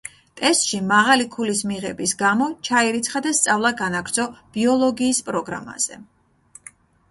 ტესტში მაღალი ქულის მიღების გამო, ჩაირიცხა და სწავლა განაგრძო ბიოლოგიის პროგრამაზე.